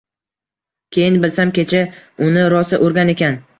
Keyin bilsam, kecha uni rosa urgan ekan.